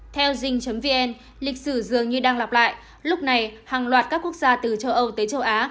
theo jean vn lịch sử dường như đang lặp lại lúc này hàng loạt các quốc gia từ châu âu tới châu á